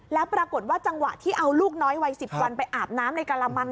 แล้วปรากฏว่าจังหวะที่เอาลูกน้อยวัย๑๐วันไปอาบน้ำในกระมัง